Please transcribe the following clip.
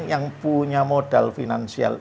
yang punya modal finansial